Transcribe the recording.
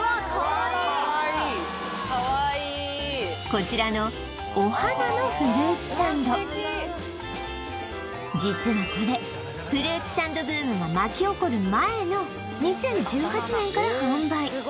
こちらの実はこれフルーツサンドブームが巻き起こる前の２０１８年から販売